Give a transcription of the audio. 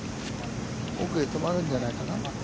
奥で止まるんじゃないかな。